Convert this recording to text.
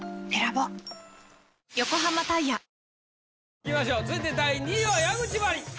いきましょう続いて第２位は矢口真里。